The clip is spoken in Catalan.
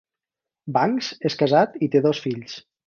Banks és casat i té dos fills.